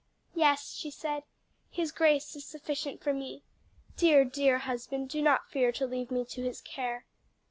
"Yes," she said, "His grace is sufficient for me. Dear, dear husband, do not fear to leave me to his care."